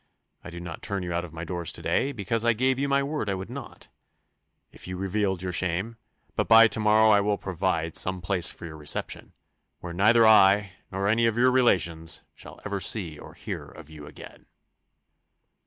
I do not turn you out of my doors to day, because I gave you my word I would not, if you revealed your shame; but by to morrow I will provide some place for your reception, where neither I, nor any of your relations, shall ever see or hear of you again."